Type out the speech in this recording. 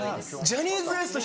ジャニーズＷＥＳＴ